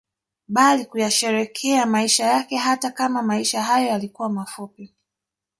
Bali kuyasherehekea maisha yake hata kama maisha hayo yalikuwa mafupi